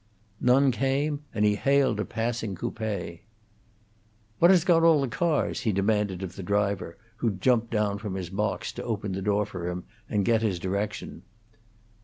None came, and he hailed a passing coupe. "What has got all the cars?" he demanded of the driver, who jumped down from his box to open the door for him and get his direction.